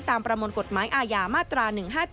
ประมวลกฎหมายอาญามาตรา๑๕๗